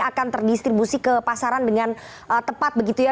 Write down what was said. akan terdistribusi ke pasaran dengan tepat begitu ya